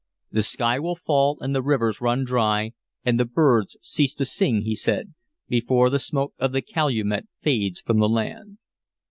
"The sky will fall, and the rivers run dry, and the birds cease to sing," he said, "before the smoke of the calumet fades from the land."